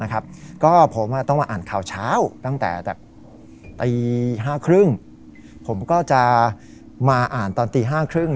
นะครับก็ผมว่าต้องมาอ่านข่าวเช้าตั้งแต่แบบตีห้าครึ่งผมก็จะมาอ่านตอนตีห้าครึ่ง